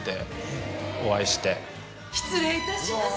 失礼いたします。